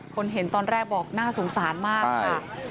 คนเห็นตอนแรกบอกน่าสงสารมากค่ะ